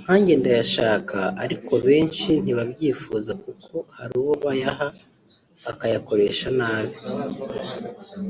nkanjye ndayashaka ariko benshi ntibabyifuza kuko hari uwo bayaha akayakoresha nabi